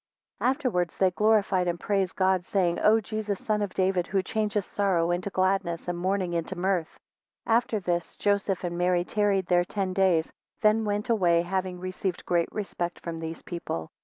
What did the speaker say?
32 Afterwards they glorified and praised God, saying, O Jesus, son of David, who changest sorrow into gladness, and mourning into mirth! 33 After this Joseph and Mary tarried there ten days, then went away, having received great respect from these people.